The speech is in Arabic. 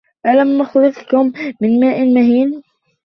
ألم نخلقكم من ماء مهين